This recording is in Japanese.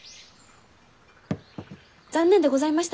残念でございましたなあ殿。